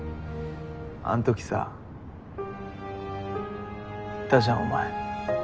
あんときさ言ったじゃんお前。